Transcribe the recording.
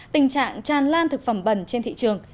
tình trạng tràn lan thực phẩm bẩn trên thị trường